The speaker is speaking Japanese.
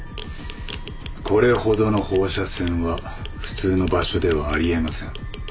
これほどの放射線は普通の場所ではあり得ません。